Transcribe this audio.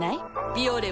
「ビオレ」